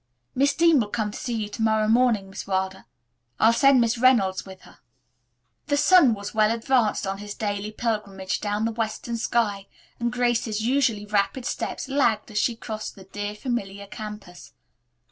"Miss Dean will come to see you to morrow morning, Miss Wilder. I'll send Miss Reynolds with her." The sun was well advanced on his daily pilgrimage down the western sky, and Grace's usually rapid steps lagged as she crossed the dear familiar campus.